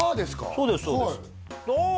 そうですそうですでああ！